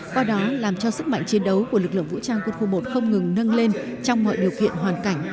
qua đó làm cho sức mạnh chiến đấu của lực lượng vũ trang quân khu một không ngừng nâng lên trong mọi điều kiện hoàn cảnh